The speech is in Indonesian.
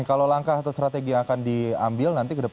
kita harus belajar dulu dari situ